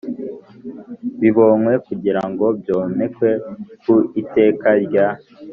Bibonywe kugira ngo byomekwe ku Iteka rya